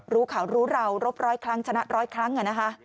รู้ข่าวรู้เรารบร้อยครั้งชนะร้อยครั้งนะคะ